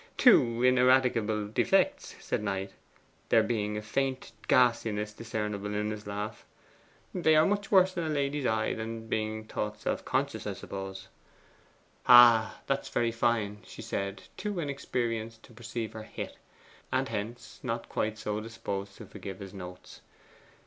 'Heh heh! Two ineradicable defects,' said Knight, there being a faint ghastliness discernible in his laugh. 'They are much worse in a lady's eye than being thought self conscious, I suppose.' 'Ah, that's very fine,' she said, too inexperienced to perceive her hit, and hence not quite disposed to forgive his notes.